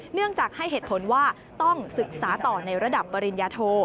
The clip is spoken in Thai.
เนื่องจากให้เหตุผลว่าต้องศึกษาต่อในระดับปริญญาโท